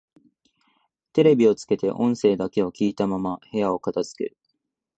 テレビをつけて音声だけを聞いたまま部屋を片づける